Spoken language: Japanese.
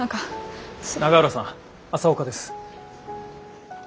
永浦さん朝岡です。